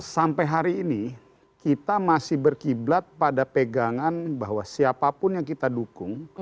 sampai hari ini kita masih berkiblat pada pegangan bahwa siapapun yang kita dukung